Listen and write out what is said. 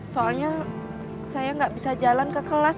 soalnya saya nggak bisa jalan ke kelas